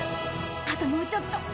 あともうちょっと。